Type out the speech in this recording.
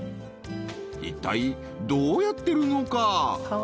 一体どうやってるのか？